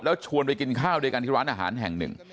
แล้วชวนไปกินข้าวด้วยกันที่ร้านอาหารแห่งหนึ่ง